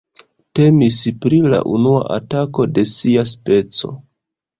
Temis pri la unua atako de sia speco.